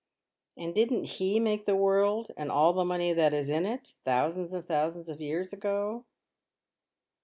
" And didn't He make the world and all the money that is in it, thousands and thousands of years ago?"